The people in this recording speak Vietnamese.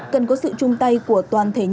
cần có sự chung tay của toàn thể nhân